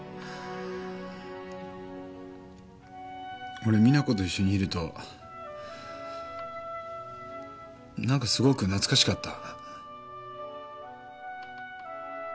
俺実那子と一緒にいるとなんかすごく懐かしかった。